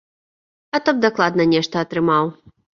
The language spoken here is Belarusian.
А то б дакладна нешта атрымаў.